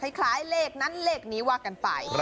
เข้าใจเลขนั้นนี้วากันไป